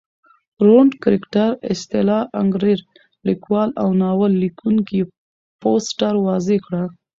رونډ کرکټراصطلاح انکرېرلیکوال اوناول لیکوونکي فوسټر واضع کړه.